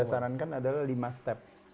saya sarankan adalah lima step